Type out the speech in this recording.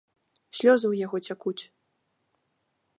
Слёзы ў яго цякуць.